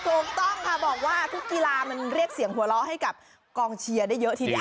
ถูกต้องค่ะบอกว่าทุกกีฬามันเรียกเสียงหัวเราะให้กับกองเชียร์ได้เยอะทีเดียว